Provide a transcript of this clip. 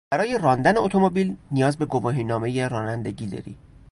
برای راندن اتومبیل نیاز به گواهینامهی رانندگی داری.